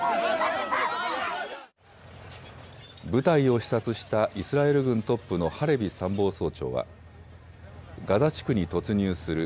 部隊を視察したイスラエル軍トップのハレビ参謀総長はガザ地区に突入する。